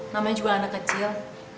namanya juga anak kecil